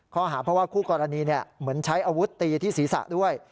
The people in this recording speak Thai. ข้อหาเพราะว่าคู่กรณีเหมือนใช้อาวุธตีที่ศีรษะด้วย